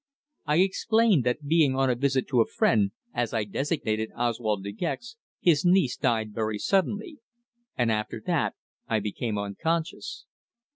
I explained that being on a visit to a friend as I designated Oswald De Gex his niece died very suddenly. And after that I became unconscious.